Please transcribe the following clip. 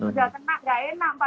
kalau sudah kena